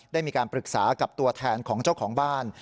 ได้มีการปรึกษากับตัวแทนของเจ้าของบ้าน